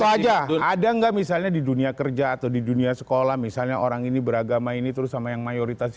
saja ada nggak misalnya di dunia kerja atau di dunia sekolah misalnya orang ini beragama ini terus sama yang mayoritas